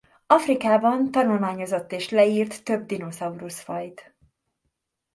Afrikában tanulmányozott és leírt több dinoszaurusz fajt.